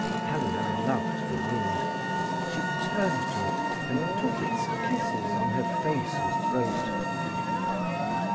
Helena loved the wind. She turned to it, and took its kisses on her face and throat.